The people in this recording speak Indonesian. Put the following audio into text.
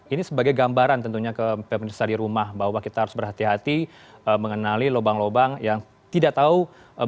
ini sebagai gambaran tentunya ke pemerintah di rumah bahwa kita harus berhati hati mengenali lobang lobang yang tidak tahu berada di mana